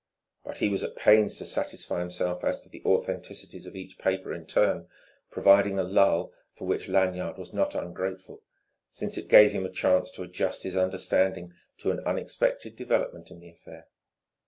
But he was at pains to satisfy himself as to the authenticity of each paper in turn, providing a lull for which Lanyard was not ungrateful since it gave him a chance to adjust his understanding to an unexpected development in the affair.